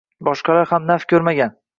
Boshqalar ham naf ko’rmagan.